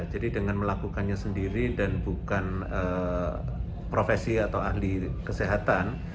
jadi dengan melakukannya sendiri dan bukan profesi atau ahli kesehatan